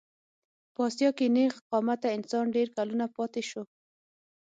په اسیا کې نېغ قامته انسان ډېر کلونه پاتې شو.